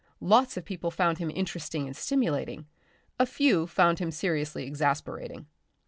Lots of people found him interesting and stimulating, a few found him seriously exasperating.